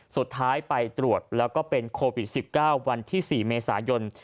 สุดท้ายไปตรวจแล้วก็เป็นโควิด๑๙วันที่๔เมษายน